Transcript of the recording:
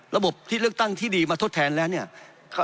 ระบบเลือกตั้งที่ดีมาทดแทนค่ะ